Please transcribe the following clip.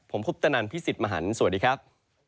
ผมคุปตนันพี่สิทธิ์มหันฯสวัสดีครับ